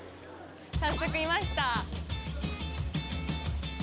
早速いました。